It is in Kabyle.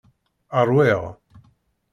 Ṛwiɣ.